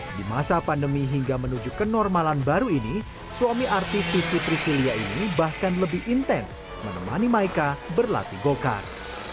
di masa pandemi hingga menuju kenormalan baru ini suami artis susu trisilia ini bahkan lebih intens menemani maika berlatih go kart